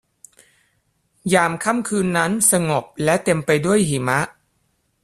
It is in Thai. ยามค่ำคืนนั้นสงบและเต็มไปด้วยหิมะ